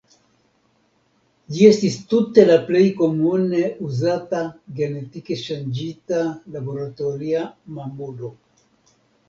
Ĝi estis tute la plej komune uzata genetike ŝanĝita laboratoria mamulo.